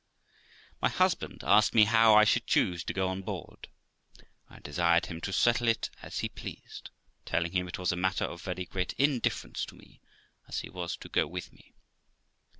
My husband asked me how I should choose to go on board; I desired him to settle it as he pleased, telling him it was a matter of very great indifference to me, as he was to go with me.